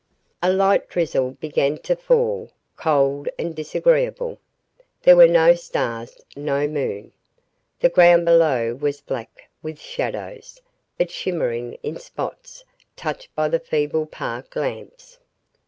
A light drizzle began to fall, cold and disagreeable. There were no stars, no moon. The ground below was black with shadows, but shimmering in spots touched by the feeble park lamps.